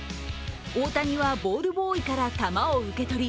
大谷はボールボーイから球を受け取り